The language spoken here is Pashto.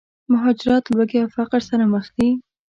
مهاجرت، لوږې او فقر سره مخ وي.